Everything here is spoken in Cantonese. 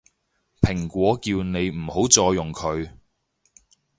蘋果叫你唔好再用佢